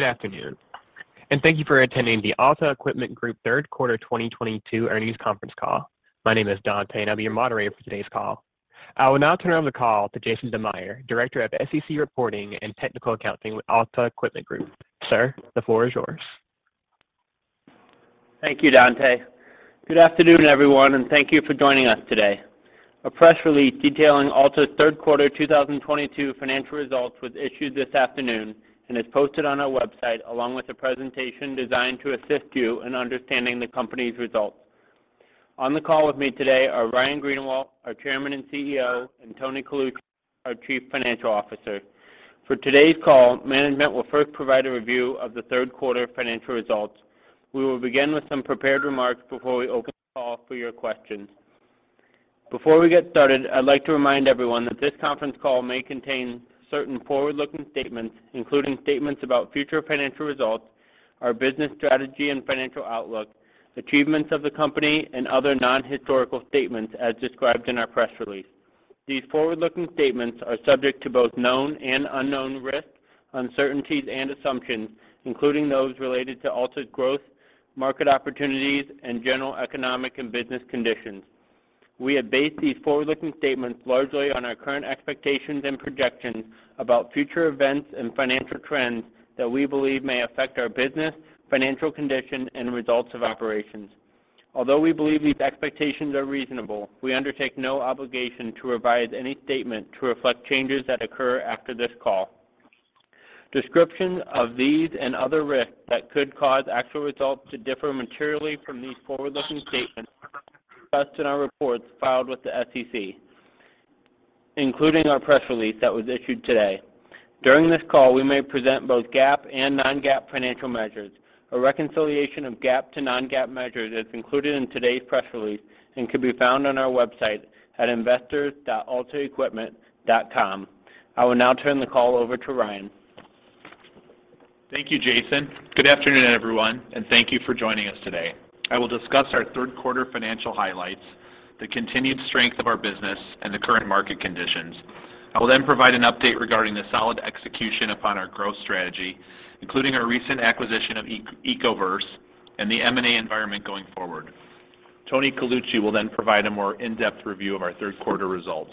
Good afternoon, and thank you for attending the Alta Equipment Group third quarter 2022 earnings Conference Call. My name is Dante, and I'll be your moderator for today's call. I will now turn over the call to Jason Dammeyer, Director of SEC Reporting and Technical Accounting with Alta Equipment Group. Sir, the floor is yours. Thank you, Dante. Good afternoon, everyone, and thank you for joining us today. A press release detailing Alta's third quarter 2022 financial results was issued this afternoon and is posted on our website, along with a presentation designed to assist you in understanding the company's results. On the call with me today are Ryan Greenawalt, our Chairman and CEO, and Tony Colucci, our Chief Financial Officer. For today's call, management will first provide a review of the third quarter financial results. We will begin with some prepared remarks before we open the call for your questions. Before we get started, I'd like to remind everyone that this conference call may contain certain forward-looking statements, including statements about future financial results, our business strategy and financial outlook, achievements of the company, and other non-historical statements as described in our press release. These forward-looking statements are subject to both known and unknown risks, uncertainties, and assumptions, including those related to Alta's growth, market opportunities, and general economic and business conditions. We have based these forward-looking statements largely on our current expectations and projections about future events and financial trends that we believe may affect our business, financial condition, and results of operations. Although we believe these expectations are reasonable, we undertake no obligation to revise any statement to reflect changes that occur after this call. Descriptions of these and other risks that could cause actual results to differ materially from these forward-looking statements are discussed in our reports filed with the SEC, including our press release that was issued today. During this call, we may present both GAAP and non-GAAP financial measures. A reconciliation of GAAP to non-GAAP measures is included in today's press release and can be found on our website at investor.altaequipment.com. I will now turn the call over to Ryan. Thank you, Jason. Good afternoon, everyone, and thank you for joining us today. I will discuss our third quarter financial highlights, the continued strength of our business and the current market conditions. I will then provide an update regarding the solid execution upon our growth strategy, including our recent acquisition of Ecoverse and the M&A environment going forward. Tony Colucci will then provide a more in-depth review of our third quarter results.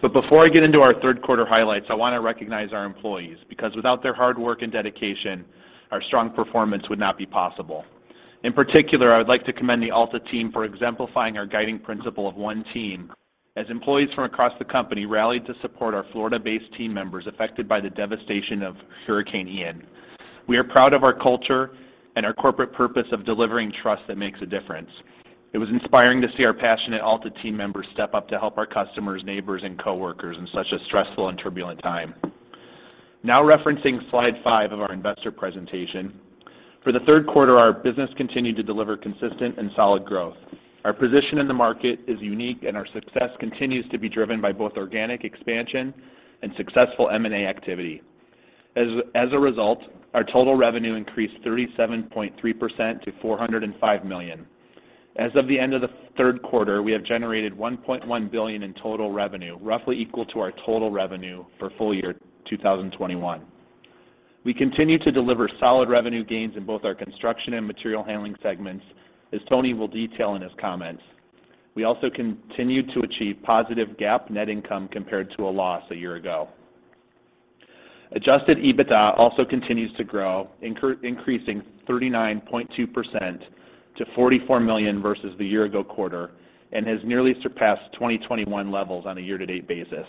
Before I get into our third quarter highlights, I want to recognize our employees, because without their hard work and dedication, our strong performance would not be possible. In particular, I would like to commend the Alta team for exemplifying our guiding principle of one team as employees from across the company rallied to support our Florida-based team members affected by the devastation of Hurricane Ian. We are proud of our culture and our corporate purpose of delivering trust that makes a difference. It was inspiring to see our passionate Alta team members step up to help our customers, neighbors, and coworkers in such a stressful and turbulent time. Now referencing slide five of our investor presentation. For the third quarter, our business continued to deliver consistent and solid growth. Our position in the market is unique, and our success continues to be driven by both organic expansion and successful M&A activity. As a result, our total revenue increased 37.3%-$405 million. As of the end of the third quarter, we have generated $1.1 billion in total revenue, roughly equal to our total revenue for full year 2021. We continue to deliver solid revenue gains in both our construction and material handling segments, as Tony will detail in his comments. We also continued to achieve positive GAAP net income compared to a loss a year ago. Adjusted EBITDA also continues to grow, increasing 39.2% to $44 million versus the year ago quarter and has nearly surpassed 2021 levels on a year-to-date basis.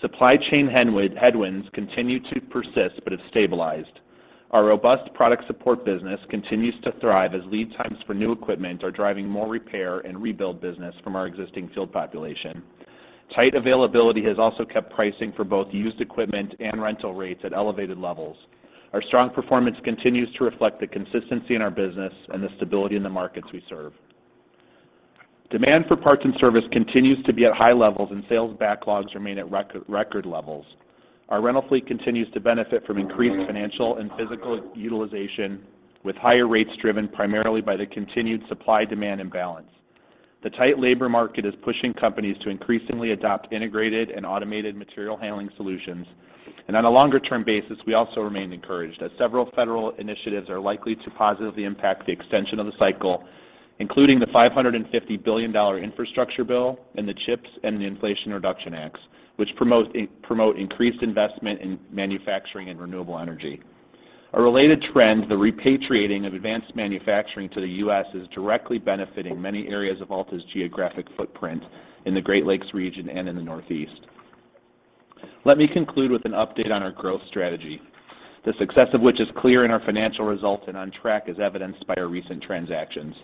Supply chain headwinds continue to persist but have stabilized. Our robust product support business continues to thrive as lead times for new equipment are driving more repair and rebuild business from our existing field population. Tight availability has also kept pricing for both used equipment and rental rates at elevated levels. Our strong performance continues to reflect the consistency in our business and the stability in the markets we serve. Demand for parts and service continues to be at high levels, and sales backlogs remain at record levels. Our rental fleet continues to benefit from increased financial and physical utilization, with higher rates driven primarily by the continued supply-demand imbalance. The tight labor market is pushing companies to increasingly adopt integrated and automated material handling solutions. On a longer-term basis, we also remain encouraged as several federal initiatives are likely to positively impact the extension of the cycle, including the $550 billion infrastructure bill and the CHIPS and Science Act and the Inflation Reduction Act, which promote increased investment in manufacturing and renewable energy. A related trend, the repatriating of advanced manufacturing to the U.S., is directly benefiting many areas of Alta's geographic footprint in the Great Lakes region and in the Northeast. Let me conclude with an update on our growth strategy, the success of which is clear in our financial results and on track as evidenced by our recent transactions.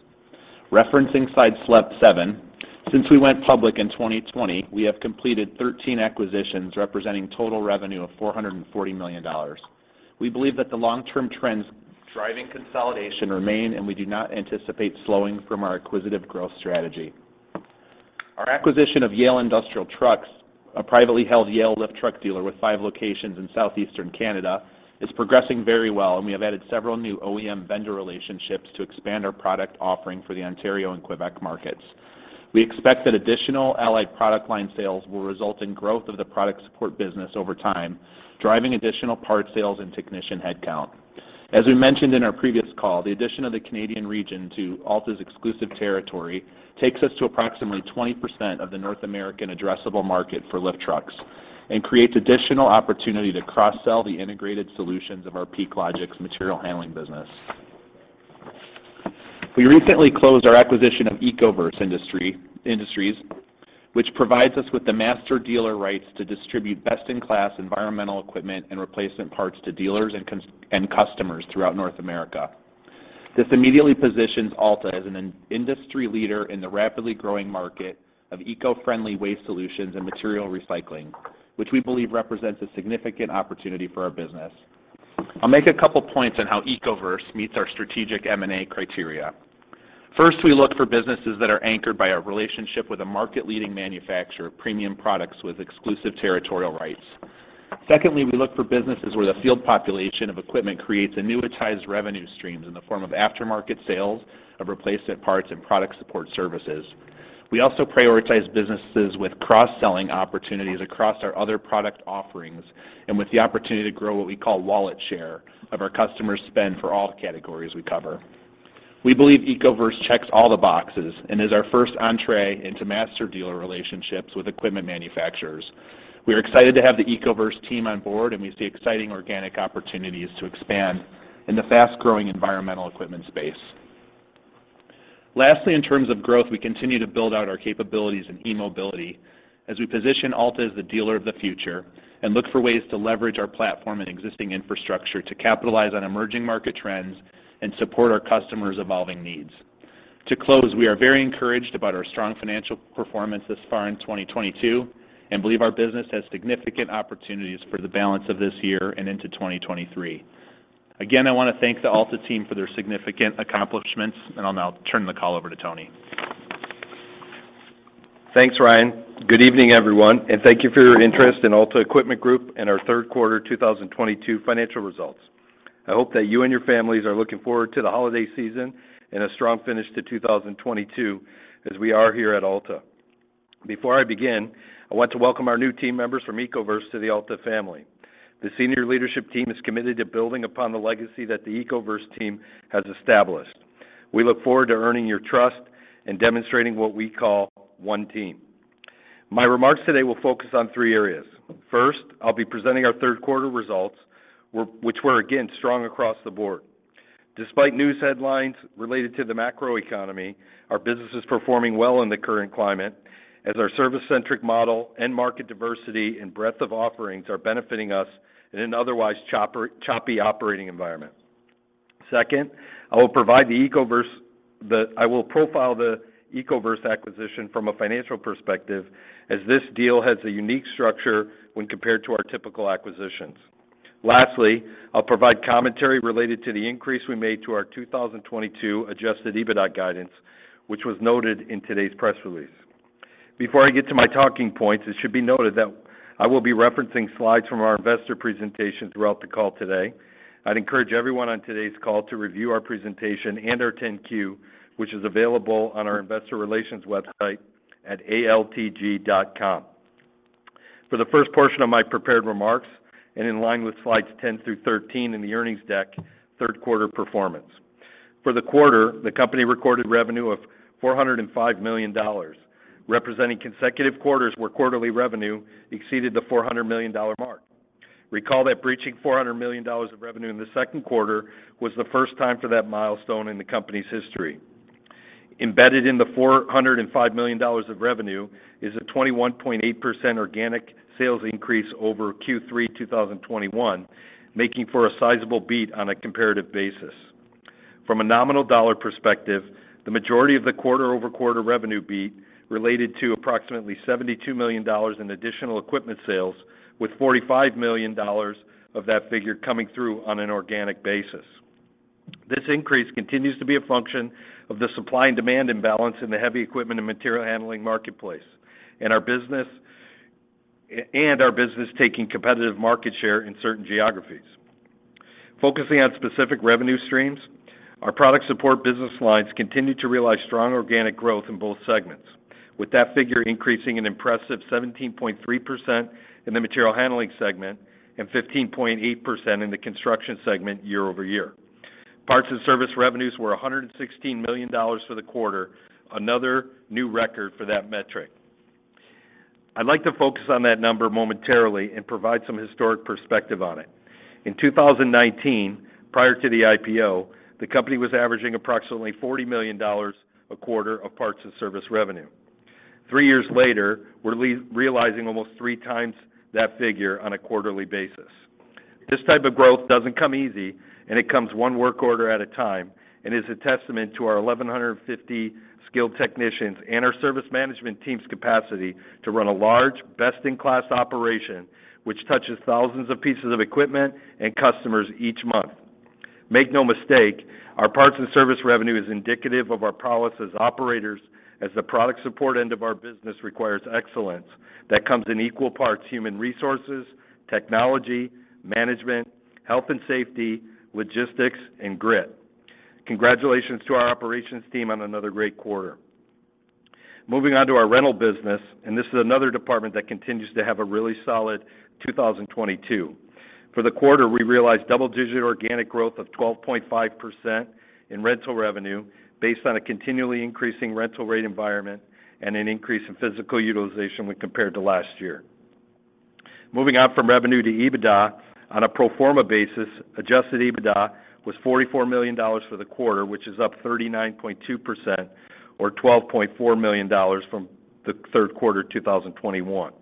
Referencing slide seven. Since we went public in 2020, we have completed 13 acquisitions representing total revenue of $440 million. We believe that the long-term trends driving consolidation remain, and we do not anticipate slowing from our acquisitive growth strategy. Our acquisition of Yale Industrial Trucks, a privately held Yale lift truck dealer with five locations in southeastern Canada, is progressing very well, and we have added several new OEM vendor relationships to expand our product offering for the Ontario and Quebec markets. We expect that additional allied product line sales will result in growth of the product support business over time, driving additional part sales and technician headcount. As we mentioned in our previous call, the addition of the Canadian region to Alta's exclusive territory takes us to approximately 20% of the North American addressable market for lift trucks and creates additional opportunity to cross-sell the integrated solutions of our PeakLogix's material handling business. We recently closed our acquisition of Ecoverse Industries, which provides us with the master dealer rights to distribute best-in-class environmental equipment and replacement parts to dealers and customers throughout North America. This immediately positions Alta as an industry leader in the rapidly growing market of eco-friendly waste solutions and material recycling, which we believe represents a significant opportunity for our business. I'll make a couple points on how Ecoverse meets our strategic M&A criteria. First, we look for businesses that are anchored by our relationship with a market-leading manufacturer of premium products with exclusive territorial rights. Secondly, we look for businesses where the field population of equipment creates annuitized revenue streams in the form of aftermarket sales of replacement parts and product support services. We also prioritize businesses with cross-selling opportunities across our other product offerings and with the opportunity to grow what we call wallet share of our customers' spend for all categories we cover. We believe Ecoverse checks all the boxes and is our first entree into master dealer relationships with equipment manufacturers. We are excited to have the Ecoverse team on board, and we see exciting organic opportunities to expand in the fast-growing environmental equipment space. Lastly, in terms of growth, we continue to build out our capabilities in e-mobility as we position Alta as the dealer of the future and look for ways to leverage our platform and existing infrastructure to capitalize on emerging market trends and support our customers' evolving needs. To close, we are very encouraged about our strong financial performance thus far in 2022 and believe our business has significant opportunities for the balance of this year and into 2023. Again, I wanna thank the Alta team for their significant accomplishments, and I'll now turn the call over to Tony. Thanks, Ryan. Good evening, everyone, and thank you for your interest in Alta Equipment Group and our third quarter 2022 financial results. I hope that you and your families are looking forward to the holiday season and a strong finish to 2022 as we are here at Alta. Before I begin, I want to welcome our new team members from Ecoverse to the Alta family. The senior leadership team is committed to building upon the legacy that the Ecoverse team has established. We look forward to earning your trust and demonstrating what we call One Team. My remarks today will focus on three areas. First, I'll be presenting our third quarter results, which were again strong across the board. Despite news headlines related to the macroeconomy, our business is performing well in the current climate as our service-centric model and market diversity and breadth of offerings are benefiting us in an otherwise choppy operating environment. Second, I will profile the Ecoverse acquisition from a financial perspective as this deal has a unique structure when compared to our typical acquisitions. Lastly, I'll provide commentary related to the increase we made to our 2022 adjusted EBITDA guidance, which was noted in today's press release. Before I get to my talking points, it should be noted that I will be referencing slides from our investor presentation throughout the call today. I'd encourage everyone on today's call to review our presentation and our 10-Q, which is available on our investor relations website at altg.com. For the first portion of my prepared remarks, and in line with slides 10 through 13 in the earnings deck, third quarter performance. For the quarter, the company recorded revenue of $405 million, representing consecutive quarters where quarterly revenue exceeded the $400 million mark. Recall that breaching $400 million of revenue in the second quarter was the first time for that milestone in the company's history. Embedded in the $405 million of revenue is a 21.8% organic sales increase over Q3 2021, making for a sizable beat on a comparative basis. From a nominal dollar perspective, the majority of the quarter-over-quarter revenue beat related to approximately $72 million in additional equipment sales with $45 million of that figure coming through on an organic basis. This increase continues to be a function of the supply and demand imbalance in the heavy equipment and material handling marketplace, and our business taking competitive market share in certain geographies. Focusing on specific revenue streams, our product support business lines continue to realize strong organic growth in both segments. With that figure increasing an impressive 17.3% in the material handling segment and 15.8% in the construction segment year over year. Parts and service revenues were $116 million for the quarter, another new record for that metric. I'd like to focus on that number momentarily and provide some historic perspective on it. In 2019, prior to the IPO, the company was averaging approximately $40 million a quarter of parts and service revenue. Three years later, we're realizing almost 3x that figure on a quarterly basis. This type of growth doesn't come easy, and it comes one work order at a time, and is a testament to our 1,150 skilled technicians and our service management team's capacity to run a large, best-in-class operation which touches thousands of pieces of equipment and customers each month. Make no mistake, our parts and service revenue is indicative of our prowess as operators, as the product support end of our business requires excellence that comes in equal parts human resources, technology, management, health and safety, logistics, and grit. Congratulations to our operations team on another great quarter. Moving on to our rental business, this is another department that continues to have a really solid 2022. For the quarter, we realized double-digit organic growth of 12.5% in rental revenue based on a continually increasing rental rate environment and an increase in physical utilization when compared to last year. Moving on from revenue to EBITDA on a pro forma basis, adjusted EBITDA was $44 million for the quarter, which is up 39.2% or $12.4 million from the third quarter 2021.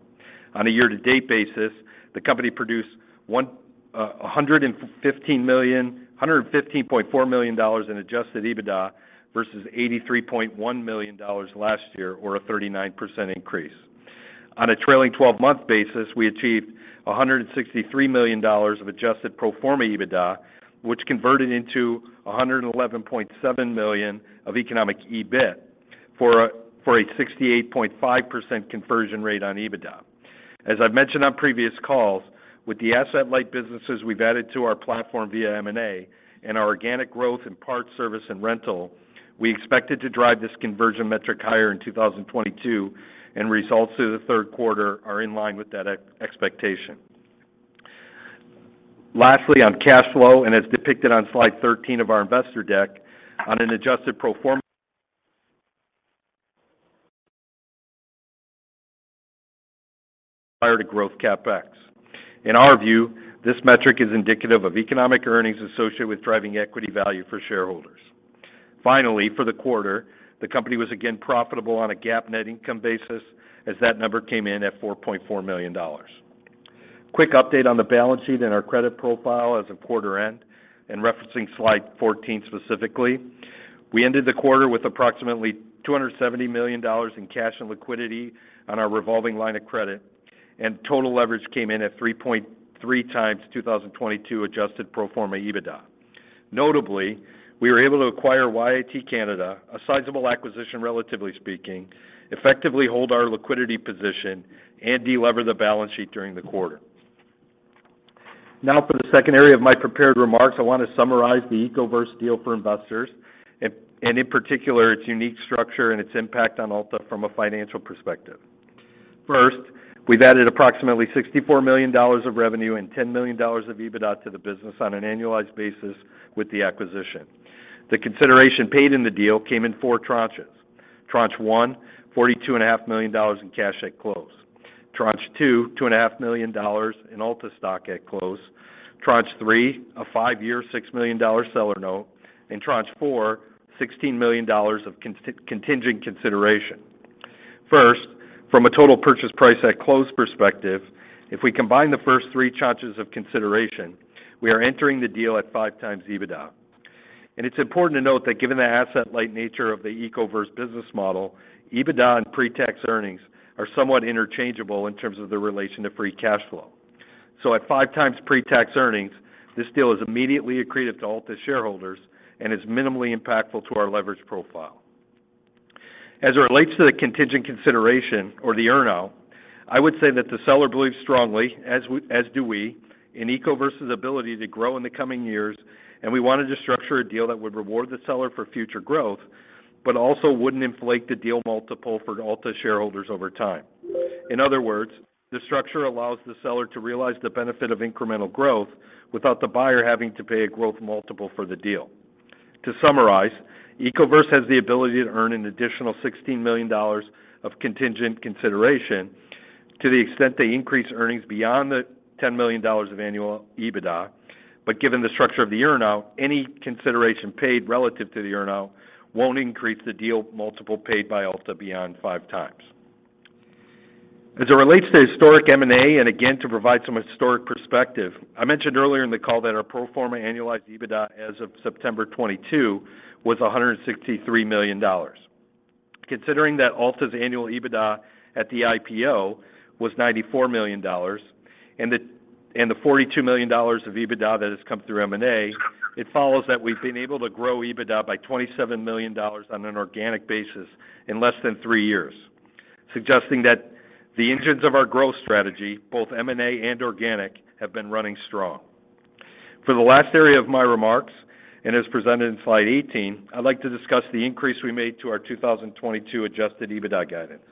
On a year-to-date basis, the company produced $115.4 million in adjusted EBITDA versus $83.1 million last year or a 39% increase. On a trailing twelve-month basis, we achieved $163 million of adjusted pro forma EBITDA, which converted into $111.7 million of economic EBIT for a 68.5% conversion rate on EBITDA. As I've mentioned on previous calls, with the asset-light businesses we've added to our platform via M&A and our organic growth in parts service and rental, we expected to drive this conversion metric higher in 2022, and results through the third quarter are in line with that expectation. Lastly, on cash flow, as depicted on slide 13 of our investor deck, on an adjusted pro forma prior to growth CapEx, in our view, this metric is indicative of economic earnings associated with driving equity value for shareholders. Finally, for the quarter, the company was again profitable on a GAAP net income basis, as that number came in at $4.4 million. Quick update on the balance sheet and our credit profile as of quarter end, and referencing slide 14 specifically. We ended the quarter with approximately $270 million in cash and liquidity on our revolving line of credit, and total leverage came in at 3.3x 2022 adjusted pro forma EBITDA. Notably, we were able to acquire YIT Canada, a sizable acquisition, relatively speaking, effectively hold our liquidity position, and de-lever the balance sheet during the quarter. Now for the second area of my prepared remarks, I want to summarize the Ecoverse deal for investors and in particular, its unique structure and its impact on Alta from a financial perspective. First, we've added approximately $64 million of revenue and $10 million of EBITDA to the business on an annualized basis with the acquisition. The consideration paid in the deal came in four tranches. Tranche one, $42.5 million in cash at close. Tranche two, $2.5 million in Alta stock at close. Tranche three, a five-year, $6 million seller note. Tranche four, $16 million of contingent consideration. First, from a total purchase price at close perspective, if we combine the first three tranches of consideration, we are entering the deal at 5x EBITDA. It's important to note that given the asset-light nature of the Ecoverse business model, EBITDA and pre-tax earnings are somewhat interchangeable in terms of their relation to free cash flow. At 5x pre-tax earnings, this deal is immediately accretive to Alta shareholders and is minimally impactful to our leverage profile. As it relates to the contingent consideration or the earn-out, I would say that the seller believes strongly, as do we, in Ecoverse's ability to grow in the coming years, and we wanted to structure a deal that would reward the seller for future growth, but also wouldn't inflate the deal multiple for Alta shareholders over time. In other words, the structure allows the seller to realize the benefit of incremental growth without the buyer having to pay a growth multiple for the deal. To summarize, Ecoverse has the ability to earn an additional $16 million of contingent consideration to the extent they increase earnings beyond the $10 million of annual EBITDA. Given the structure of the earn-out, any consideration paid relative to the earn-out won't increase the deal multiple paid by Alta beyond 5x. As it relates to historic M&A, and again, to provide some historic perspective, I mentioned earlier in the call that our pro forma annualized EBITDA as of September 2022 was $163 million. Considering that Alta's annual EBITDA at the IPO was $94 million and the $42 million of EBITDA that has come through M&A, it follows that we've been able to grow EBITDA by $27 million on an organic basis in less than three years, suggesting that the engines of our growth strategy, both M&A and organic, have been running strong. For the last area of my remarks, as presented in slide 18, I'd like to discuss the increase we made to our 2022 Adjusted EBITDA guidance.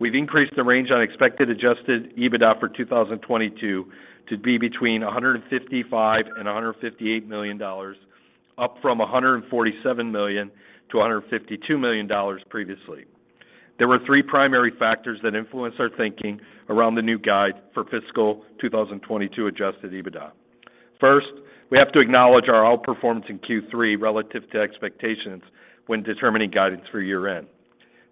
We've increased the range on expected Adjusted EBITDA for 2022 to be between $155 million and $158 million, up from $147 million-$152 million previously. There were three primary factors that influenced our thinking around the new guide for fiscal 2022 Adjusted EBITDA. First, we have to acknowledge our outperformance in Q3 relative to expectations when determining guidance through year-end.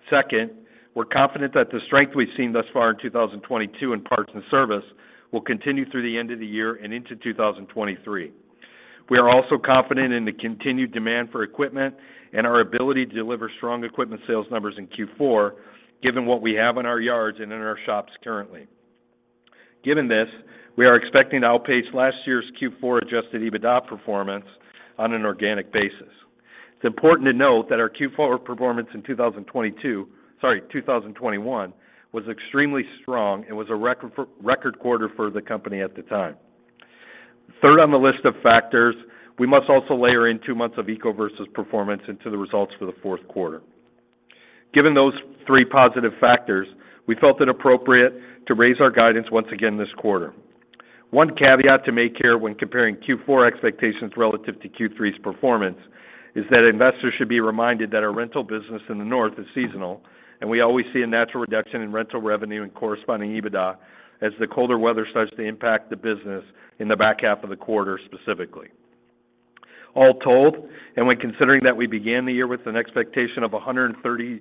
Second, we're confident that the strength we've seen thus far in 2022 in parts and service will continue through the end of the year and into 2023. We are also confident in the continued demand for equipment and our ability to deliver strong equipment sales numbers in Q4, given what we have in our yards and in our shops currently. Given this, we are expecting to outpace last year's Q4 adjusted EBITDA performance on an organic basis. It's important to note that our Q4 performance in 2021 was extremely strong and was a record quarter for the company at the time. Third on the list of factors, we must also layer in two months of Ecoverse's performance into the results for the fourth quarter. Given those three positive factors, we felt it appropriate to raise our guidance once again this quarter. One caveat to make here when comparing Q4 expectations relative to Q3's performance is that investors should be reminded that our rental business in the North is seasonal, and we always see a natural reduction in rental revenue and corresponding EBITDA as the colder weather starts to impact the business in the back half of the quarter specifically. All told, when considering that we began the year with an expectation of $137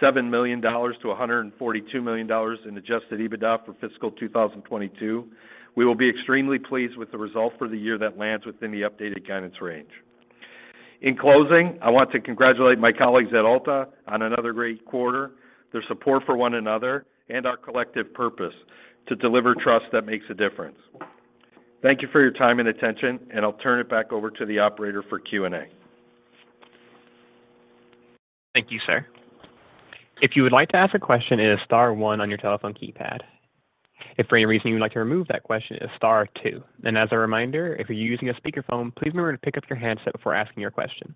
million-$142 million in adjusted EBITDA for fiscal 2022, we will be extremely pleased with the result for the year that lands within the updated guidance range. In closing, I want to congratulate my colleagues at Alta on another great quarter, their support for one another, and our collective purpose to deliver trust that makes a difference. Thank you for your time and attention, and I'll turn it back over to the operator for Q&A. Thank you, sir. If you would like to ask a question, it is star one on your telephone keypad. If for any reason you would like to remove that question, it is star two. As a reminder, if you're using a speakerphone, please remember to pick up your handset before asking your question.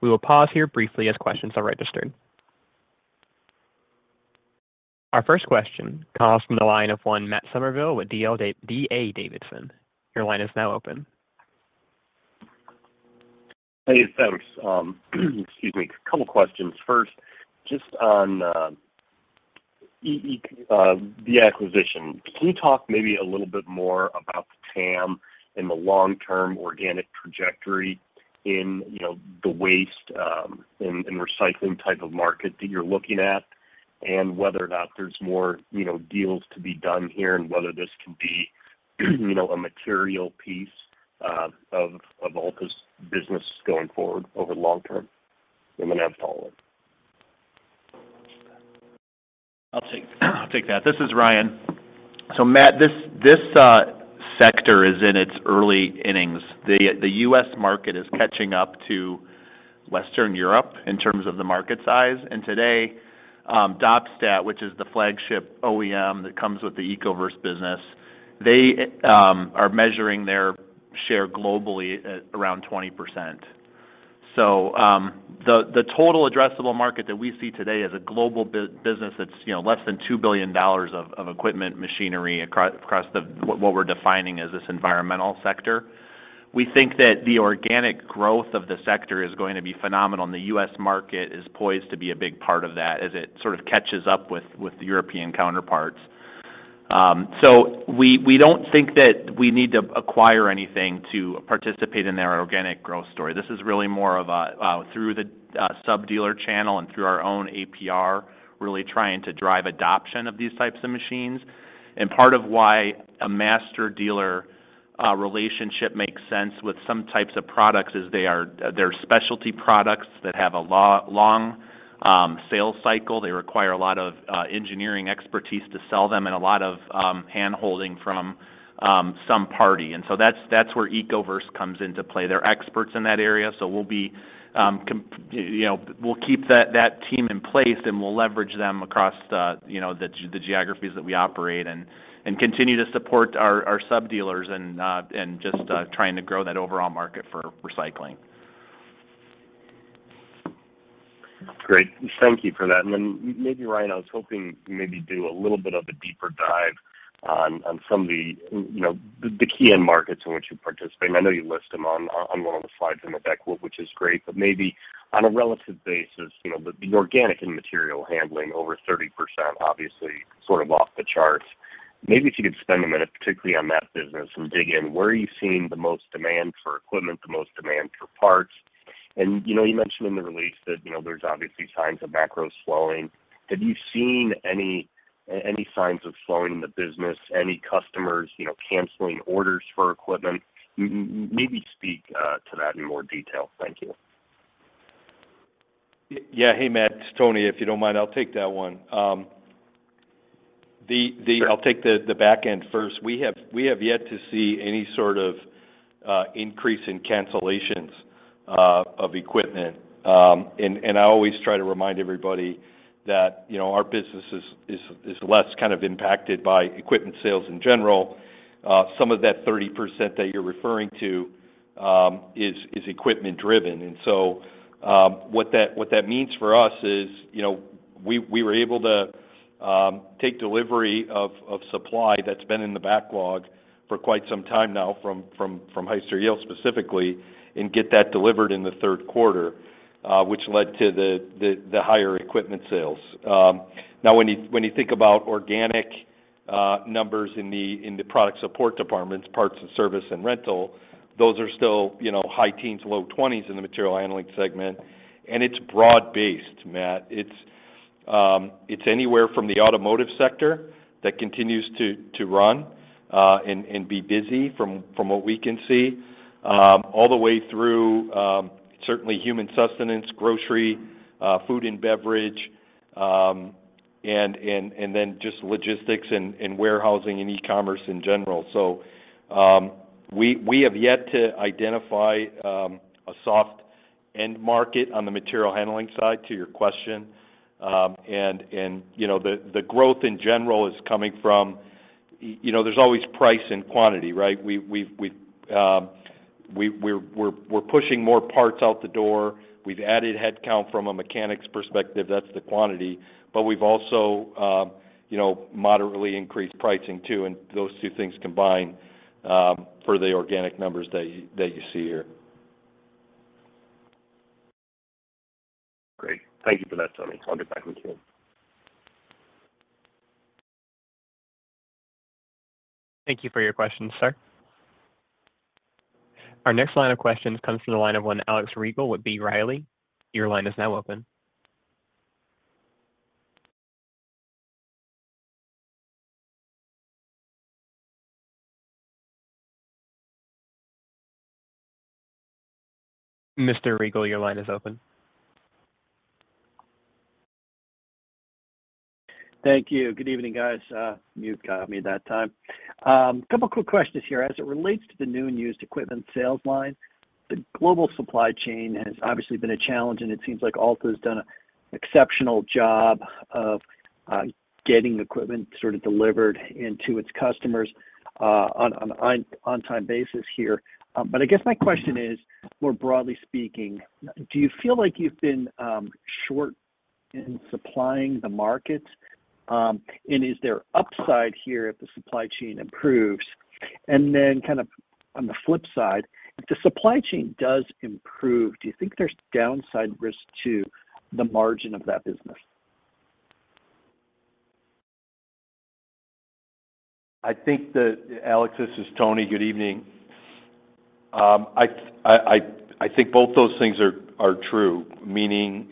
We will pause here briefly as questions are registered. Our first question comes from the line of Matt Summerville with D.A. Davidson. Your line is now open. Hey, thanks. Excuse me. A couple questions. First, just on the acquisition. Can you talk maybe a little bit more about the TAM and the long-term organic trajectory in, you know, the waste and recycling type of market that you're looking at, and whether or not there's more, you know, deals to be done here, and whether this can be, you know, a material piece of Alta's business going forward over the long term? I have a follow-up. I'll take that. This is Ryan. Matt, this sector is in its early innings. The U.S. market is catching up to Western Europe in terms of the market size. Today, Doppstadt, which is the flagship OEM that comes with the Ecoverse business, they are measuring their share globally at around 20%. The total addressable market that we see today is a global business that's, you know, less than $2 billion of equipment machinery across what we're defining as this environmental sector. We think that the organic growth of the sector is going to be phenomenal, and the U.S market is poised to be a big part of that as it sort of catches up with the European counterparts. We don't think that we need to acquire anything to participate in their organic growth story. This is really more of a through the sub-dealer channel and through our own APR, really trying to drive adoption of these types of machines. Part of why a master dealer relationship makes sense with some types of products is they're specialty products that have a long sales cycle. They require a lot of engineering expertise to sell them and a lot of hand-holding from some party. That's where Ecoverse comes into play. They're experts in that area, so we'll be you know, we'll keep that team in place, and we'll leverage them across the you know, the geographies that we operate and continue to support our sub-dealers and just trying to grow that overall market for recycling. Great. Thank you for that. Maybe, Ryan, I was hoping maybe do a little bit of a deeper dive on some of the, you know, the key end markets in which you participate. I know you list them on one of the slides in the deck, which is great. Maybe on a relative basis, you know, the organic and material handling over 30% obviously sort of off the charts. Maybe if you could spend a minute particularly on that business and dig in where are you seeing the most demand for equipment, the most demand for parts? You know, you mentioned in the release that, you know, there's obviously signs of macro slowing. Have you seen any signs of slowing in the business, any customers, you know, canceling orders for equipment? Maybe speak to that in more detail. Thank you. Yeah. Hey, Matt, it's Tony. If you don't mind, I'll take that one. Sure. I'll take the back end first. We have yet to see any sort of increase in cancellations of equipment. I always try to remind everybody that, you know, our business is less kind of impacted by equipment sales in general. Some of that 30% that you're referring to is equipment driven. What that means for us is, you know, we were able to take delivery of supply that's been in the backlog for quite some time now from Hyster-Yale specifically and get that delivered in the third quarter, which led to the higher equipment sales. Now when you think about organic numbers in the product support departments, parts and service and rental, those are still, you know, high teens, low twenties in the material handling segment. It's broad-based, Matt. It's anywhere from the automotive sector that continues to run and be busy from what we can see all the way through certainly human sustenance, grocery, food and beverage, and then just logistics and warehousing and e-commerce in general. We have yet to identify a soft end market on the material handling side to your question. You know, the growth in general is coming from. You know, there's always price and quantity, right? We're pushing more parts out the door. We've added headcount from a mechanics perspective, that's the quantity. We've also, you know, moderately increased pricing too, and those two things combined, for the organic numbers that you see here. Great. Thank you for that, Tony. I'll get back with you. Thank you for your question, sir. Our next question comes from the line of Alex Rygiel with B. Riley. Your line is now open. Mr. Rygiel, your line is open. Thank you. Good evening, guys. You've got me that time. Couple quick questions here. As it relates to the new and used equipment sales line, the global supply chain has obviously been a challenge, and it seems like Alta has done an exceptional job of getting equipment sort of delivered to its customers on-time basis here. But I guess my question is, more broadly speaking, do you feel like you've been short in supplying the market? And is there upside here if the supply chain improves? And then kind of on the flip side, if the supply chain does improve, do you think there's downside risk to the margin of that business? I think that Alex, this is Tony. Good evening. I think both those things are true. Meaning,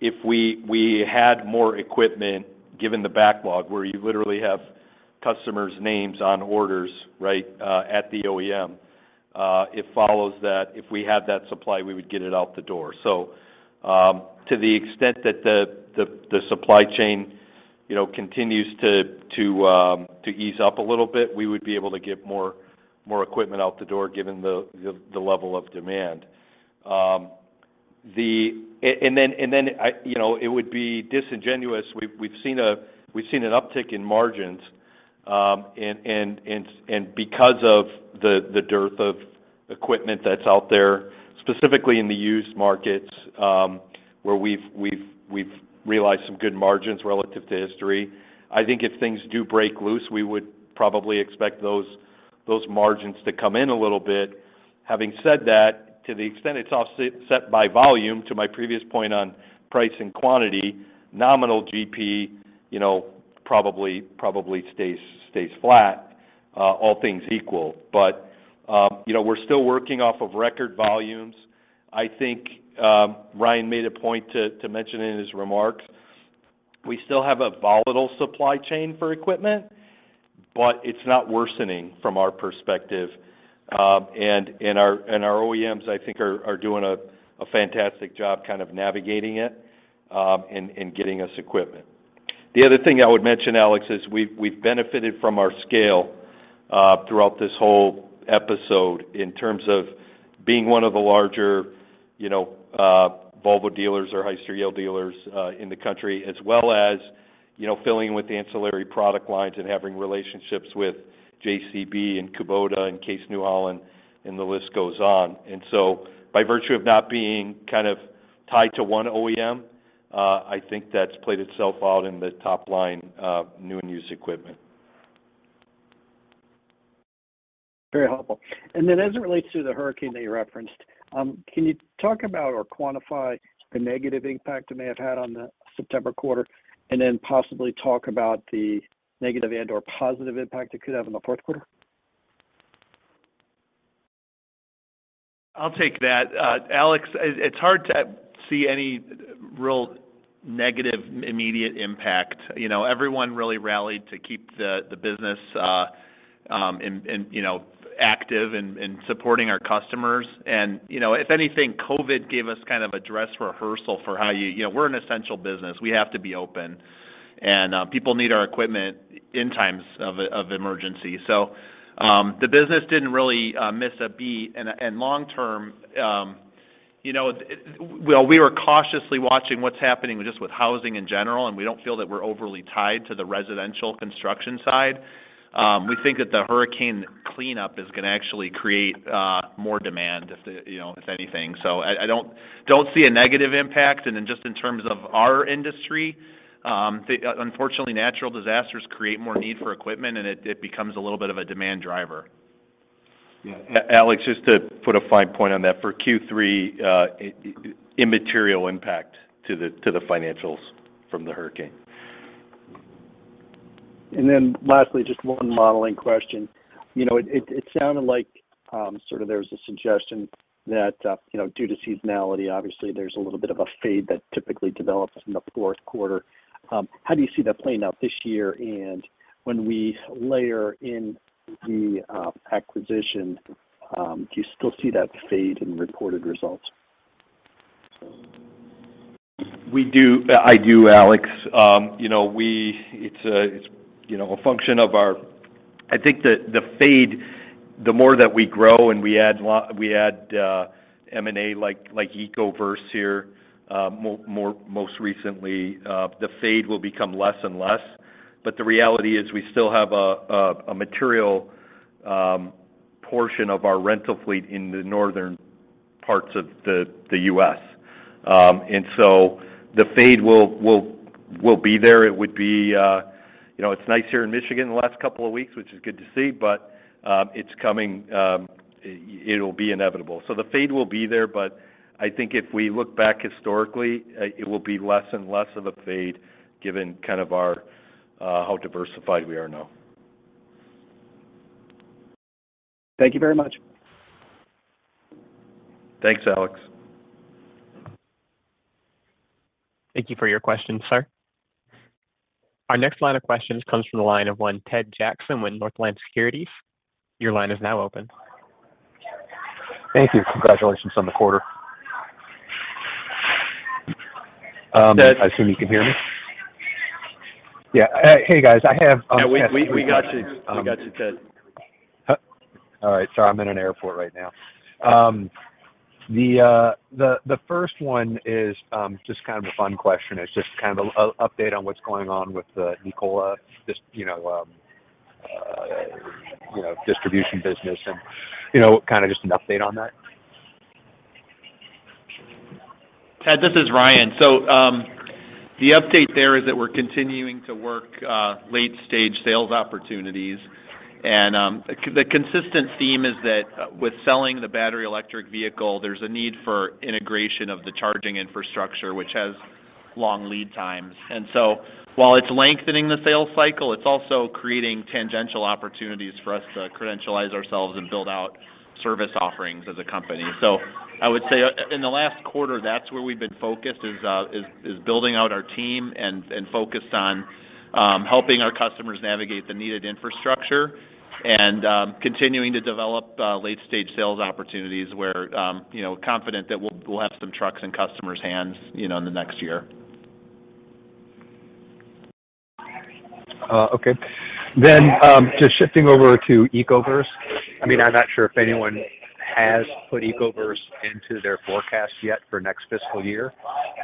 if we had more equipment, given the backlog where you literally have customers' names on orders, right, at the OEM, it follows that if we had that supply, we would get it out the door. To the extent that the supply chain, you know, continues to ease up a little bit, we would be able to get more equipment out the door given the level of demand. You know, it would be disingenuous. We've seen an uptick in margins, and because of the dearth of equipment that's out there, specifically in the used markets, where we've realized some good margins relative to history. I think if things do break loose, we would probably expect those margins to come in a little bit. Having said that, to the extent it's all set by volume, to my previous point on price and quantity, nominal GP, you know, probably stays flat, all things equal. You know, we're still working off of record volumes. I think Ryan made a point to mention in his remarks, we still have a volatile supply chain for equipment, but it's not worsening from our perspective. Our OEMs, I think are doing a fantastic job kind of navigating it, and getting us equipment. The other thing I would mention, Alex, is we've benefited from our scale throughout this whole episode in terms of being one of the larger, you know, Volvo dealers or Hyster-Yale dealers in the country, as well as, you know, filling with the ancillary product lines and having relationships with JCB and Kubota and Case New Holland, and the list goes on. By virtue of not being kind of tied to one OEM, I think that's played itself out in the top line new and used equipment. Very helpful. As it relates to the hurricane that you referenced, can you talk about or quantify the negative impact it may have had on the September quarter? Possibly talk about the negative and/or positive impact it could have in the fourth quarter? I'll take that. Alex, it's hard to see any real negative immediate impact. You know, everyone really rallied to keep the business active in supporting our customers. You know, if anything, COVID gave us kind of a dress rehearsal. You know, we're an essential business. We have to be open. People need our equipment in times of emergency. The business didn't really miss a beat. Long term, you know, well, we were cautiously watching what's happening just with housing in general, and we don't feel that we're overly tied to the residential construction side. We think that the hurricane cleanup is gonna actually create more demand if anything. I don't see a negative impact. Just in terms of our industry, unfortunately, natural disasters create more need for equipment, and it becomes a little bit of a demand driver. Yeah. Alex, just to put a fine point on that. For Q3, immaterial impact to the financials from the hurricane. Lastly, just one modeling question. You know, it sounded like sort of there was a suggestion that, you know, due to seasonality, obviously, there's a little bit of a fade that typically develops in the fourth quarter. How do you see that playing out this year? When we layer in the acquisition, do you still see that fade in reported results? We do. I do, Alex. You know, it's, you know, a function of our. I think the fade, the more that we grow and we add M&A, like Ecoverse here, more, most recently, the fade will become less and less. The reality is we still have a material portion of our rental fleet in the northern parts of the U.S. The fade will be there. It would be. You know, it's nice here in Michigan the last couple of weeks, which is good to see, but it's coming. It'll be inevitable. The fade will be there, but I think if we look back historically, it will be less and less of a fade given kind of our how diversified we are now. Thank you very much. Thanks, Alex. Thank you for your question, sir. Our next line of questions comes from the line of Ted Jackson with Northland Securities. Your line is now open. Thank you. Congratulations on the quarter. Ted- I assume you can hear me? Yeah. Hey, guys. I have Yeah, we got you. We got you, Ted. All right. Sorry, I'm in an airport right now. The first one is just kind of a fun question. It's just kind of an update on what's going on with the Nikola distribution business and, you know, kind of just an update on that. Ted, this is Ryan. The update there is that we're continuing to work late stage sales opportunities. The consistent theme is that with selling the battery electric vehicle, there's a need for integration of the charging infrastructure, which has long lead times. While it's lengthening the sales cycle, it's also creating tangential opportunities for us to credentialize ourselves and build out service offerings as a company. I would say in the last quarter, that's where we've been focused is building out our team and focused on helping our customers navigate the needed infrastructure and continuing to develop late stage sales opportunities. We're you know confident that we'll have some trucks in customers' hands, you know, in the next year. Just shifting over to Ecoverse. I mean, I'm not sure if anyone has put Ecoverse into their forecast yet for next fiscal year.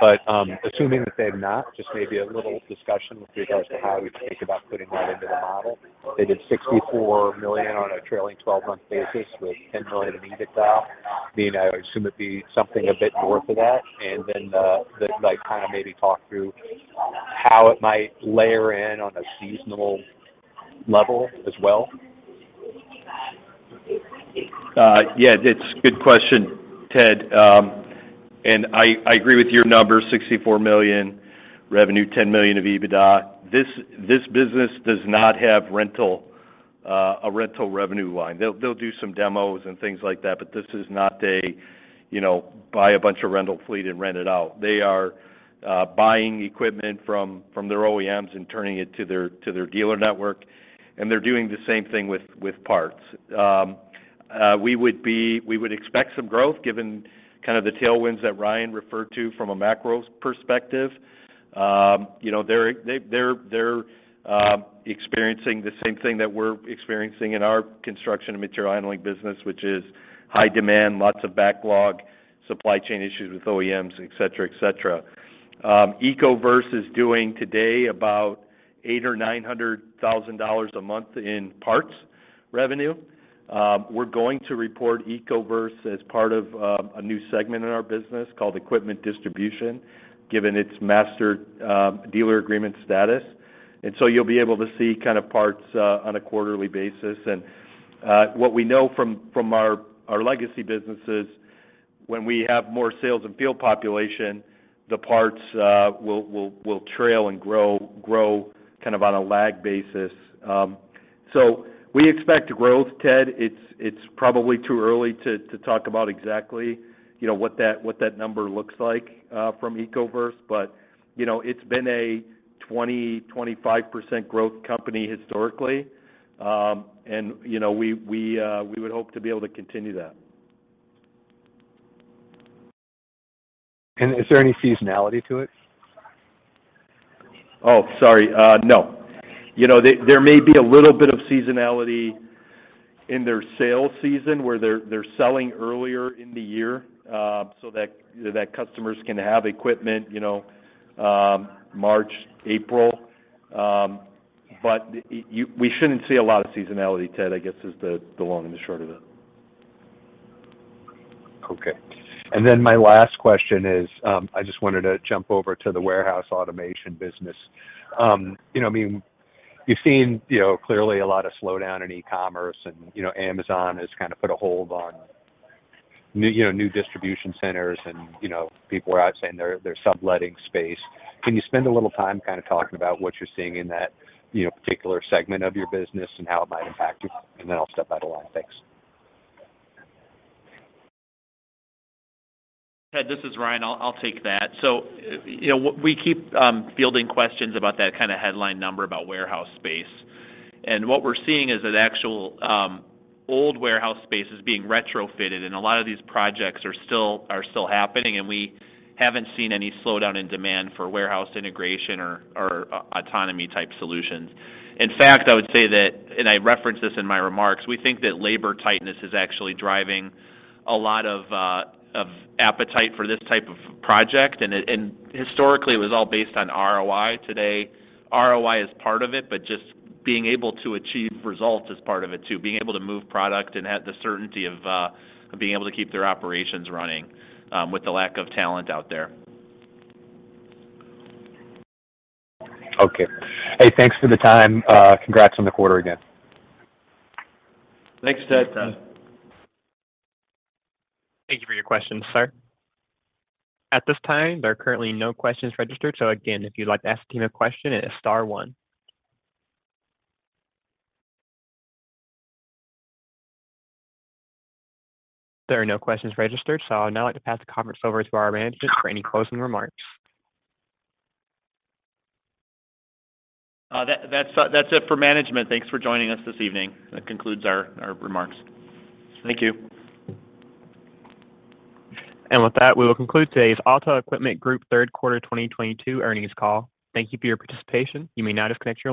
Assuming that they have not, just maybe a little discussion with regards to how we think about putting that into the model. They did $64 million on a trailing twelve-month basis with $10 million in EBITDA. I mean, I assume it'd be something a bit north of that. Just like kind of maybe talk through how it might layer in on a seasonal level as well. Yeah, it's good question, Ted. I agree with your numbers, $64 million revenue, $10 million of EBITDA. This business does not have rental, a rental revenue line. They'll do some demos and things like that, but this is not a, you know, buy a bunch of rental fleet and rent it out. They are buying equipment from their OEMs and turning it to their dealer network, and they're doing the same thing with parts. We would expect some growth given kind of the tailwinds that Ryan referred to from a macro perspective. You know, they're experiencing the same thing that we're experiencing in our construction and material handling business, which is high demand, lots of backlog, supply chain issues with OEMs, et cetera. Ecoverse is doing today about $800,000 or $900,000 a month in parts revenue. We're going to report Ecoverse as part of a new segment in our business called equipment distribution, given its master dealer agreement status. You'll be able to see kind of parts on a quarterly basis. What we know from our legacy businesses, when we have more sales and field population, the parts will trail and grow kind of on a lag basis. We expect growth, Ted. It's probably too early to talk about exactly, you know, what that number looks like from Ecoverse. You know, it's been a 25% growth company historically. You know, we would hope to be able to continue that. Is there any seasonality to it? Oh, sorry. No. You know, there may be a little bit of seasonality in their sales season where they're selling earlier in the year, so that, you know, that customers can have equipment, you know, March, April. We shouldn't see a lot of seasonality, Ted. I guess is the long and short of it. My last question is, I just wanted to jump over to the warehouse automation business. You know, I mean, you've seen, you know, clearly a lot of slowdown in e-commerce and, you know, Amazon has kind of put a hold on new, you know, new distribution centers and, you know, people are out saying they're subletting space. Can you spend a little time kind of talking about what you're seeing in that, you know, particular segment of your business and how it might impact you? Then I'll step out of line. Thanks. Ted, this is Ryan. I'll take that. You know, we keep fielding questions about that kind of headline number about warehouse space. What we're seeing is that actual old warehouse space is being retrofitted, and a lot of these projects are still happening, and we haven't seen any slowdown in demand for warehouse integration or autonomy-type solutions. In fact, I would say that, and I referenced this in my remarks, we think that labor tightness is actually driving a lot of appetite for this type of project. Historically, it was all based on ROI. Today, ROI is part of it, but just being able to achieve results is part of it too. Being able to move product and have the certainty of being able to keep their operations running, with the lack of talent out there. Okay. Hey, thanks for the time. Congrats on the quarter again. Thanks, Ted. Thank you for your question, sir. At this time, there are currently no questions registered. Again, if you'd like to ask the team a question, it is star one. There are no questions registered, so I'd now like to pass the conference over to our management for any closing remarks. That's it for management. Thanks for joining us this evening. That concludes our remarks. Thank you. With that, we will conclude today's Alta Equipment Group third quarter 2022 Earnings call. Thank you for your participation. You may now disconnect your line.